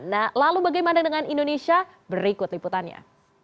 nah lalu bagaimana dengan indonesia berikut liputannya